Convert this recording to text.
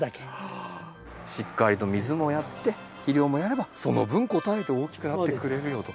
しっかりと水もやって肥料もやればその分応えて大きくなってくれるよと。